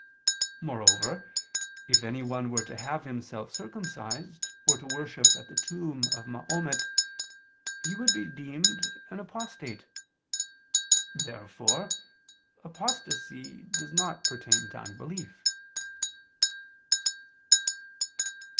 Moreover if anyone were to have himself circumcised, or to worship at the tomb of Mahomet, he would be deemed an apostate. Therefore apostasy does not pertain to unbelief.